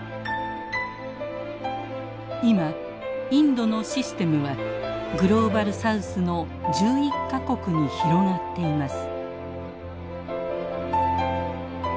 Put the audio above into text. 今インドのシステムはグローバル・サウスの１１か国に広がっています。